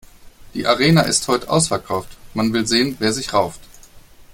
Die Arena ist heut' ausverkauft, man will sehen, wer sich rauft.